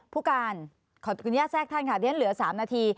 ผู้การขออนุญาตแทรกท่านค่ะเดี๋ยวฉันเหลือ๓นาที